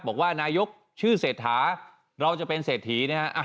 บอกว่านายกชื่อเศรษฐาเราจะเป็นเศรษฐีนะฮะ